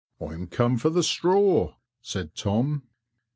"I'm come for the straw," said Tom.